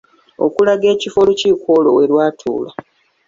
Okulaga ekifo olukiiko olwo we lwatuula.